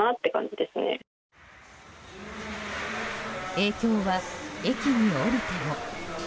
影響は駅に降りても。